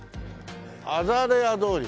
「アザレア通り」